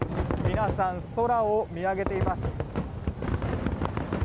皆さん、空を見上げています。